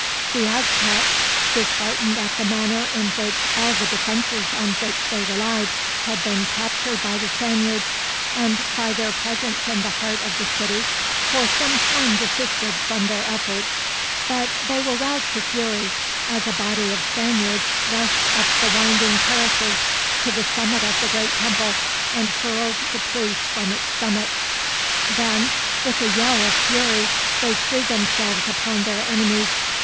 The Aztecs disheartened at the manner in which all the defenses on which they relied had been captured by the Spaniards, and by their presence in the heart of the city for some time desisted from their efforts; but they were roused to fury, as a body of Spaniards rushed up the winding terraces to the summit of the great temple, and hurled the priests from its summit. Then, with a yell of fury, they threw themselves upon their enemies.